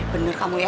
bener kamu ya